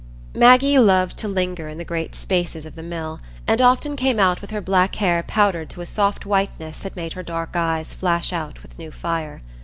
Maggie loved to linger in the great spaces of the mill, and often came out with her black hair powdered to a soft whiteness that made her dark eyes flash out with new fire.